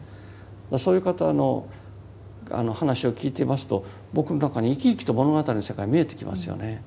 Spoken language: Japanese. そういう方の話を聞いていますと僕の中に生き生きと物語の世界見えてきますよね。